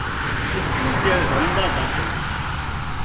اسڪول چيڙ رموازاتو